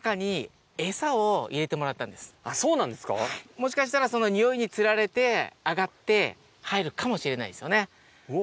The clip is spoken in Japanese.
もしかしたらそのニオイにつられて上がって入るかもしれないですよね。